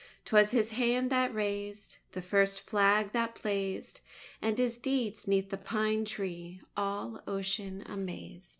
__'Twas his hand that raised The first Flag that blazed, And his deeds 'neath the "Pine Tree" all ocean amazed.